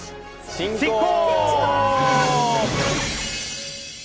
進行！